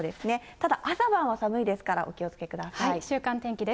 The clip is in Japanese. ただ朝晩は寒いですから、お気をつけください。